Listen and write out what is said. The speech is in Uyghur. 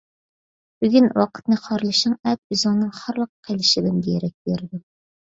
بۈگۈن ۋاقىتنى خارلىشىڭ ئەتە ئۆزۈڭنىڭ خارلىققا قېلىشىدىن دېرەك بېرىدۇ.